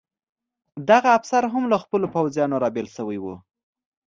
دغه افسر هم له خپلو پوځیانو را بېل شوی و.